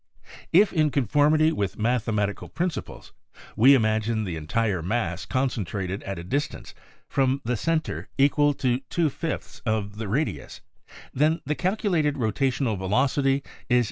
If, in con formity 'with mathematical principles, we imagine the entire mass concen trated at a distance from the center equal to two fifths of the radius, then the calculated rota tional velocity is 3.